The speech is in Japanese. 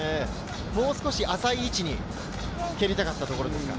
もう少し浅い位置に蹴りたかったのですか？